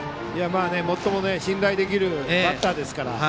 最も信頼できるバッターですから。